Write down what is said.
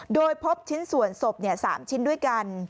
โดยพบชิ้นส่วนศพ๓ชิ้นด้วยกัน